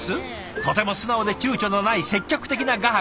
とても素直でちゅうちょのない積極的な画伯！